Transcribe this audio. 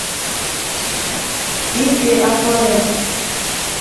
Ìtè afọ ya